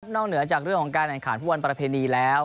นอกเหนือจากเรื่องของการแข่งขาดภูมิวัณประเพณีแล้ว